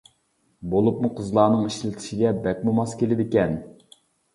بولۇپمۇ قىزلارنىڭ ئىشلىتىشىگە بەكمۇ ماس كېلىدىكەن.